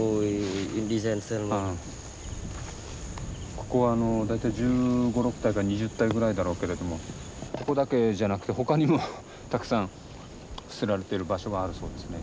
ここはあの大体１５１６体か２０体ぐらいだろうけれどもここだけじゃなくて他にもたくさん捨てられてる場所があるそうですね。